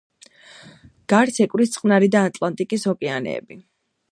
გარს ეკვრის წყნარი და ატლანტიკის ოკეანეები.